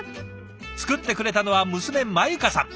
作ってくれたのは娘まゆかさん。